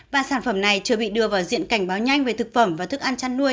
và sản phẩm này chưa bị đưa vào diện cảnh báo nhanh về thực phẩm và thức ăn chăn nuôi